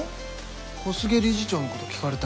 小菅理事長のこと聞かれた。